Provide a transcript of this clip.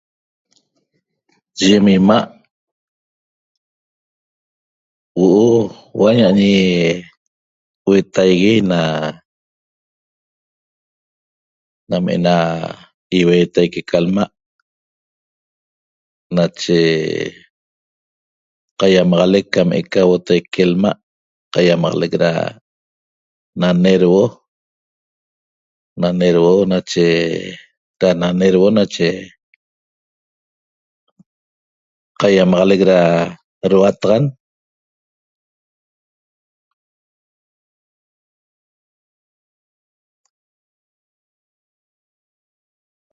Yim ima' huo'o huo'o aña'añi huetaigui na nam ena iuetaique ca lma' nache qaiamaxalec cam eca huotaique lma' qaiamaxalec ra nanerhuo nanerhuo nache da nanerhuo nache qaiamaxalec ra rhuataxan